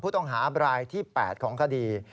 ผู้ต้องหาบรายที่๘ของคดี